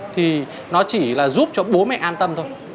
thì nó chỉ là giúp cho bố mẹ an tâm thôi